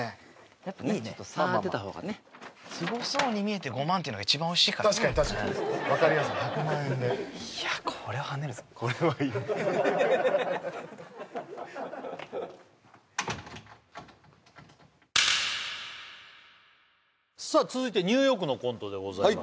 やっぱねちょっと差出た方がねすごそうに見えて５万っていうのが一番おいしいか確かに確かに分かりやすい１００万円でいやこれはハネるぞこれはいい続いてニューヨークのコントでございます